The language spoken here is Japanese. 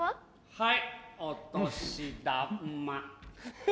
はい。